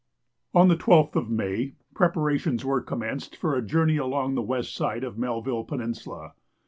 On the 12th of May preparations were commenced for a journey along the west side of Melville Peninsula.